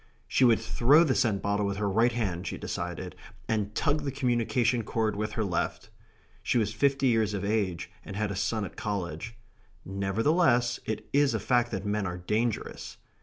She would throw the scent bottle with her right hand, she decided, and tug the communication cord with her left. She was fifty years of age, and had a son at college. Nevertheless, it is a fact that men are dangerous.